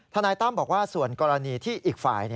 นายตั้มบอกว่าส่วนกรณีที่อีกฝ่าย